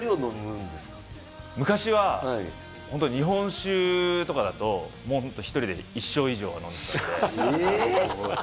昔は本当に日本酒とかだと１人で１升以上は飲んでました。